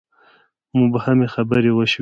مبهمې خبرې وشوې.